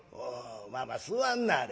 まあまあ座んなはれ。